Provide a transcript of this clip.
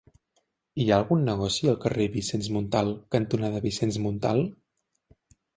Hi ha algun negoci al carrer Vicenç Montal cantonada Vicenç Montal?